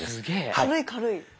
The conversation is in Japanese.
軽い軽い。